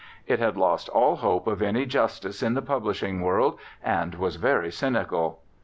It had lost all hope of any justice in the publishing world, and was very cynical.